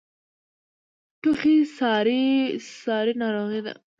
ټوخی ساری ناروغۍ ده.